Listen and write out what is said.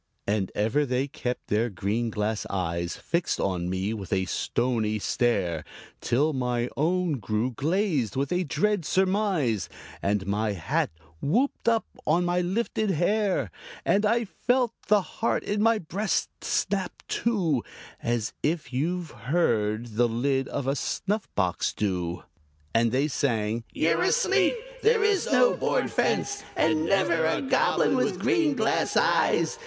And ever they kept their green glass eyes Fixed on me with a stony stare Till my own grew glazed with a dread surmise, And my hat whooped up on my lifted hair, And I felt the heart in my breast snap to As you've heard the lid of a snuff box do. And they sang, "You're asleep! There is no board fence, And never a Goblin with green glass eyes!